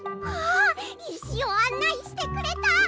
わあいしをあんないしてくれた！